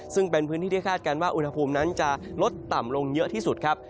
ซึ่งเป็นพื้นที่ที่คาดการณ์ว่าอุณหภูมินั้นจะลดต่ำลงเยอะที่สุดครับ